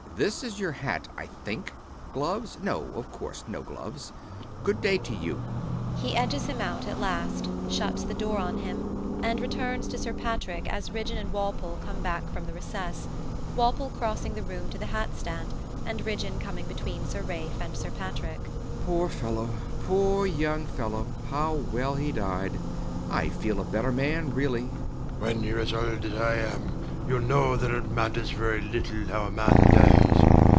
This is your hat, I think [giving it to him]. Gloves? No, of course: no gloves. Good day to you. [He edges him out at last; shuts the door on him; and returns to Sir Patrick as Ridgeon and Walpole come back from the recess, Walpole crossing the room to the hat stand, and Ridgeon coming between Sir Ralph and Sir Patrick]. Poor fellow! Poor young fellow! How well he died! I feel a better man, really. SIR PATRICK. When youre as old as I am, youll know that it matters very little how a man dies.